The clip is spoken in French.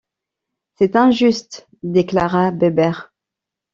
C’est injuste! déclara Bébert.